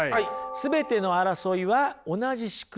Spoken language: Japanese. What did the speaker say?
「全ての争いは同じ仕組み」